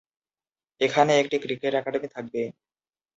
এখানে একটি cricket academy থাকবে।